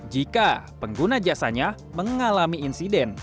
jika pengguna jasanya mengalami insiden